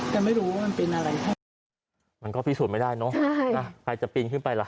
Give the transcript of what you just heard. แต่ไม่รู้ว่ามันเป็นอะไรแค่ไหนมันก็พิสูจน์ไม่ได้เนอะใช่นะใครจะปีนขึ้นไปล่ะ